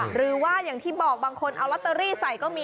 หรือว่าอย่างที่บอกบางคนเอาลอตเตอรี่ใส่ก็มี